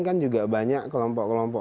kan juga banyak kelompok kelompok